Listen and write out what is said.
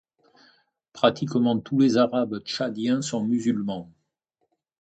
Pratiquement tous les Arabes tchadiens sont musulmans.